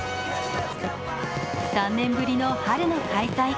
３年ぶりの春の開催。